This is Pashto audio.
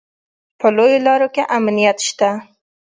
په لویو لارو کې امنیت شته